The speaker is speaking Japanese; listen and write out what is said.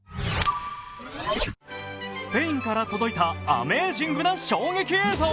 スペインから届いたアメージングな衝撃映像。